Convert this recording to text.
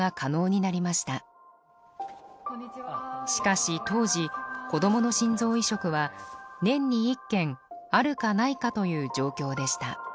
しかし当時子どもの心臓移植は年に１件あるかないかという状況でした。